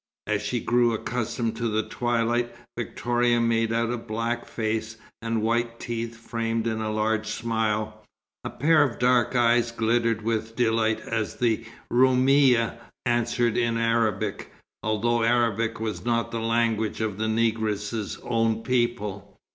As she grew accustomed to the twilight, Victoria made out a black face, and white teeth framed in a large smile. A pair of dark eyes glittered with delight as the Roumia answered in Arabic, although Arabic was not the language of the negress's own people.